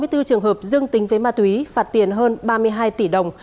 hai mươi bốn trường hợp dương tính với ma túy phạt tiền hơn ba mươi hai tỷ đồng